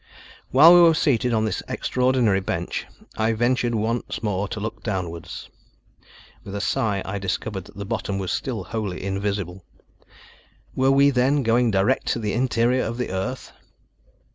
While we were seated on this extraordinary bench I ventured once more to look downwards. With a sigh I discovered that the bottom was still wholly invisible. Were we, then, going direct to the interior of the earth?